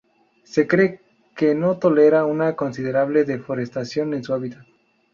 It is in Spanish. Se cree que no tolera una considerable deforestación en su hábitat.